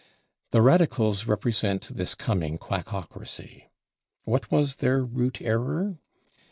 '" The radicals represent this coming "Quackocracy." What was their root error?